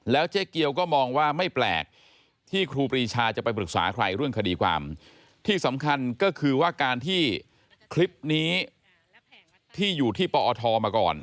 เจ๊เกียวก็มองว่าไม่แปลกที่ครูปรีชาจะไปปรึกษาใครเรื่องคดีความที่สำคัญก็คือว่าการที่คลิปนี้ที่อยู่ที่ปอทมาก่อน